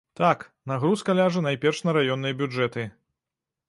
Так, нагрузка ляжа найперш на раённыя бюджэты.